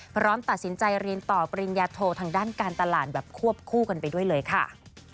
พร้อมตัดสินใจเรียนต่อปริญญาโททางด้านการตลาดแบบควบคู่กันไปด้วยเลยค่ะ